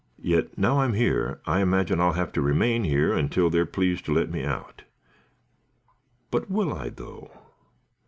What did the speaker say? "Yet, now I'm here, I imagine I'll have to remain here until they're pleased to let me out. But will I, though?"